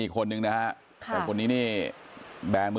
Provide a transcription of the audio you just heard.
ก็นะ